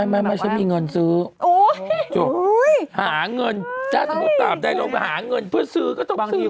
ไม่เอาแต่คนไทย